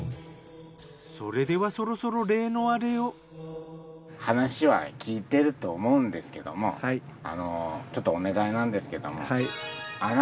それではそろそろ話は聞いてると思うんですけどもちょっとお願いなんですけどもお願いします。